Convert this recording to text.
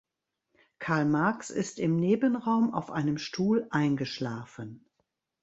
Karl Marx ist im Nebenraum auf einem Stuhl eingeschlafen.